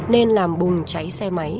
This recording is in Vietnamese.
nên làm bùng cháy xe máy